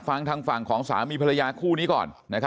ฟังทางฝั่งของสามีภรรยาคู่นี้ก่อน